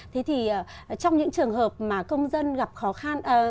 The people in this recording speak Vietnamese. thế thì trong những trường hợp mà công dân gặp khó khăn